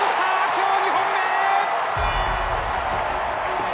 今日２本目！